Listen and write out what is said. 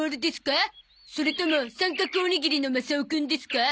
それとも三角おにぎりのマサオくんですか？